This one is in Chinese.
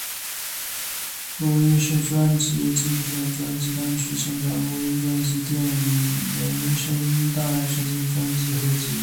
录音室专辑精选专辑单曲现场录音专辑电影原声带致敬专辑合辑